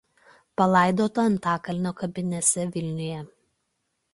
Palaidota Antakalnio kapinėse Vilniuje.